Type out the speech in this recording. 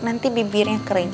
nanti bibirnya kering